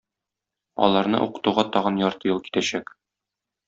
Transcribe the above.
Аларны укытуга тагын ярты ел китәчәк.